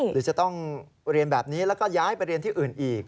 หรือจะต้องเรียนแบบนี้แล้วก็ย้ายไปเรียนที่อื่นอีก